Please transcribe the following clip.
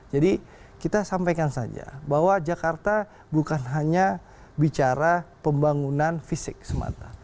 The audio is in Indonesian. jadi kita sampaikan saja bahwa jakarta bukan hanya bicara pembangunan fisik semata